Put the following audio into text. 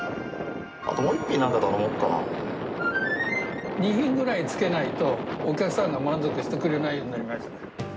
あともう１品、なんか頼もう２品ぐらいつけないと、お客さんが満足してくれないようになりました。